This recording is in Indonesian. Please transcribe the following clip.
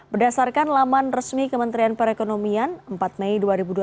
berdasarkan laman resmi kementerian perekonomian empat mei dua ribu dua puluh